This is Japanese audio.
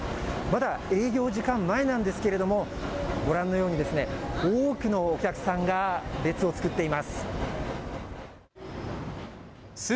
まだ営業時間前なんですけれどもご覧のように多くのお客さんが列を作っています。